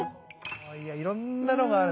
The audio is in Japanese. いやいろんなのがある。